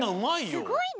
すごいね！